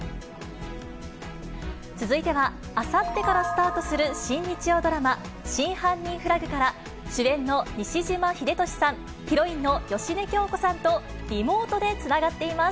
続いては、あさってからスタートする新日曜ドラマ、真犯人フラグから、主演の西島秀俊さん、ヒロインの芳根京子さんとリモートでつながっています。